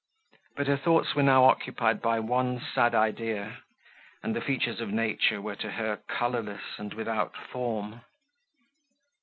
But her thoughts were now occupied by one sad idea, and the features of nature were to her colourless and without form.